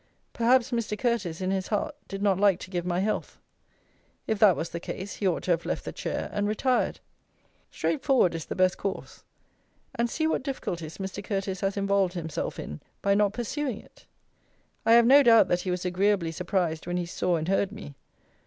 Perhaps Mr. Curteis, in his heart, did not like to give my health. If that was the case, he ought to have left the chair, and retired. Straight forward is the best course; and, see what difficulties Mr. Curteis has involved himself in by not pursuing it! I have no doubt that he was agreeably surprised when he saw and heard me.